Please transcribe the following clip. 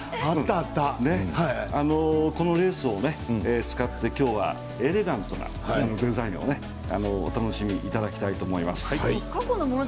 このレースを使ってきょうはエレガントなものをお楽しみいただきたいと思います。